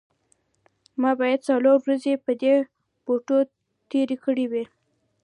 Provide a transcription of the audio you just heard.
ما باید څلور ورځې په دې بوټو تیرې کړې وي